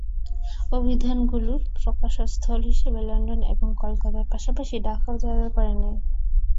অভিধানগুলির প্রকাশস্থল হিসেবে লন্ডন এবং কলকাতার পাশাপাশি ঢাকাও জায়গা করে নেয়।